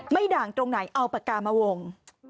ด่างตรงไหนเอาปากกามาวง